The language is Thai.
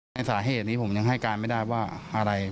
สาเหตุนี้ผมยังให้การไม่ได้ว่าอะไร